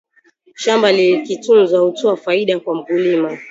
shamba likitunzwa hutoa faida kwa mkulima